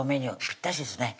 ぴったしですね